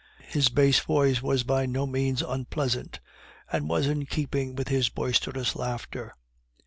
His bass voice was by no means unpleasant, and was in keeping with his boisterous laughter.